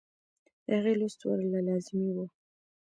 د هغې لوست ورله لازمي وۀ -